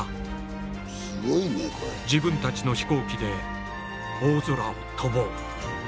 自分たちの飛行機で大空を飛ぼう！